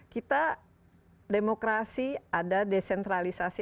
kita demokrasi ada desentralisasi